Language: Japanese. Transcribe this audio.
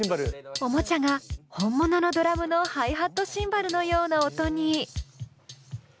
おもちゃが本物のドラムのハイハットシンバルのような音に！